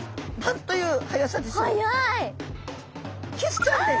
キスちゃんです。